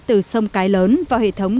từ sông cái lớn vào hệ thống